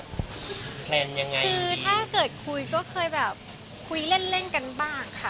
คือถ้าเกิดคุยก็เคยแบบคุยเล่นกันบ้างค่ะ